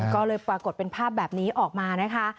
ก็เลยปรากฏเป็นภาพแบบนี้ออกมานะคะ